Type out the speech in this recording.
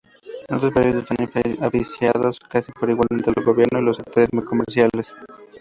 Estos proyectos están financiados casi por igual entre el gobierno y los sectores comerciales.